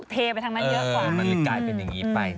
เทไปทางนั้นเยอะกว่ามันเลยกลายเป็นอย่างนี้ไป